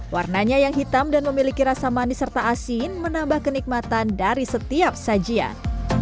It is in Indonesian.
warnanya yang hitam dan memiliki rasa manis serta asin menambah kenikmatan dari setiap sajian